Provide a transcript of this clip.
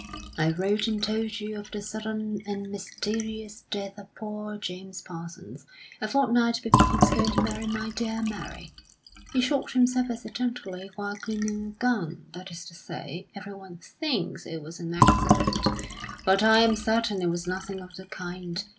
"I wrote and told you of the sudden and mysterious death of poor James Parsons, a fortnight before he was going to marry my dear Mary. He shot himself accidentally while cleaning a gun that is to say, every one thinks it was an accident. But I am certain it was nothing of the kind.